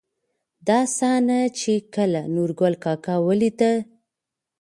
دا صحنه، چې کله نورګل کاکا ولېده.